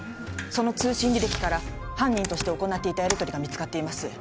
その通信履歴から犯人として行っていたやりとりが見つかっています